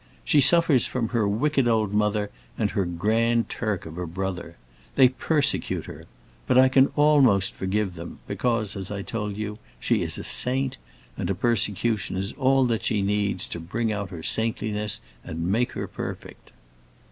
She suffers from her wicked old mother and her Grand Turk of a brother. They persecute her. But I can almost forgive them, because, as I told you, she is a saint, and a persecution is all that she needs to bring out her saintliness and make her perfect."